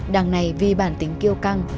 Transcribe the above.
đằng này vì bản tính kiêu căng